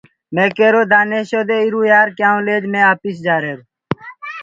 مي ڪيرو دآنيشو دي ڪي يآر ايٚرو ڪيآئونٚ ليج مي آپيس جآهرونٚ پڇي